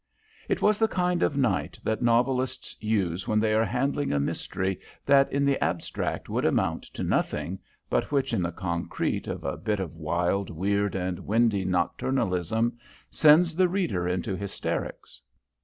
It was the kind of night that novelists use when they are handling a mystery that in the abstract would amount to nothing, but which in the concrete of a bit of wild, weird, and windy nocturnalism sends the reader into hysterics.